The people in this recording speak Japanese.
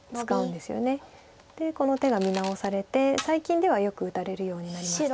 でこの手が見直されて最近ではよく打たれるようになりました。